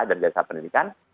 dari jasa pendidikan